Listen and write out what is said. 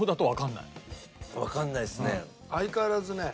相変わらずね